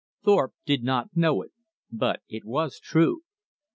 Thorpe did not know it, but it was true.